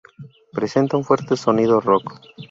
Presenta un fuerte sonido rock.